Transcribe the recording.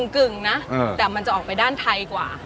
กึ่งนะแต่มันจะออกไปด้านไทยกว่า